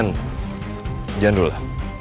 jangan dulu lah